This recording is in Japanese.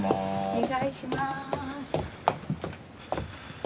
お願いします。